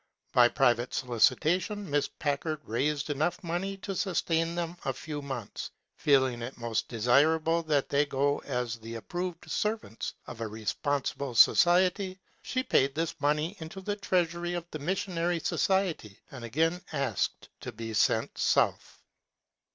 By private solicitation Miss Packard raised enough money to sustain them a few months. Peel ing it most desirable that they go as the ap proved servants of a responsible society, she paid this money into the treasury of the missionary Society and again asked to be sent south.